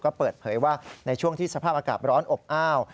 ก็เปิดเผยว่าในช่วงที่สภาพอากาศร้อนอบอ้าว